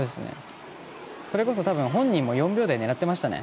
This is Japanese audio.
それこそ本人も４秒台狙ってましたね。